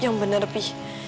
yang bener pi